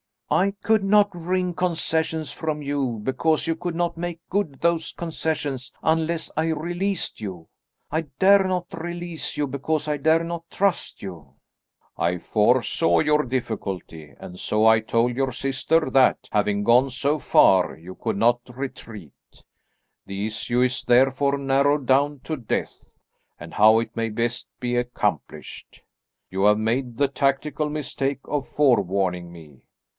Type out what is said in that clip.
"I could not wring concessions from you, because you could not make good those concessions unless I released you. I dare not release you, because I dare not trust you." "I foresaw your difficulty, and so I told your sister that, having gone so far, you could not retreat. The issue is therefore narrowed down to death, and how it may best be accomplished. You have made the tactical mistake of forewarning me.